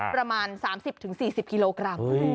ประมาณ๓๐๔๐กิโลกรัม